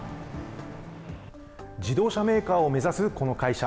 自動車メーカーを目指すこの会社。